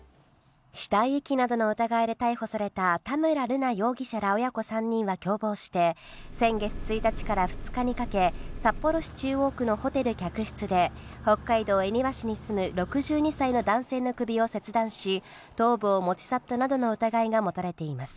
死体遺棄などの疑いで逮捕された田村瑠奈容疑者ら親子３人は、共謀して先月１日から２日にかけ、札幌市中央区のホテル客室で、北海道恵庭市に住む６２歳の男性の首を切断し、頭部を持ち去ったなどの疑いが持たれています。